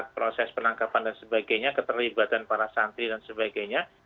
proses penangkapan dan sebagainya keterlibatan para santri dan sebagainya